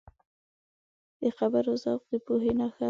د خبرو ذوق د پوهې نښه ده